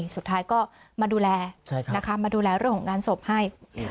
สุดท้ายมาดูแลเรื่องของงานศพให้